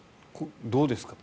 どうですか。